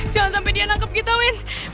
jangan sampai dia menangkap kita nek